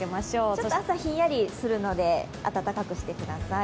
ちょっと朝、ひんやりしますので暖かくしてください。